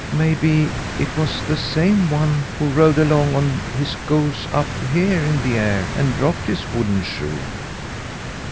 Maybe it was the same one who rode along on his goose up here in the air and dropped his wooden shoe."